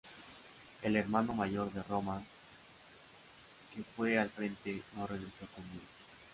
El hermano mayor de Roman, que fue al frente, no regresó con vida.